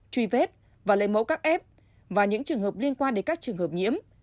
truy vết và lấy mẫu các f và những trường hợp liên quan đến các trường hợp nhiễm